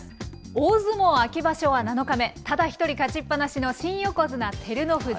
大相撲秋場所は７日目、ただ１人勝ちっ放しの新横綱・照ノ富士。